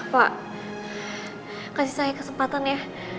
pak kasih saya kesempatan ya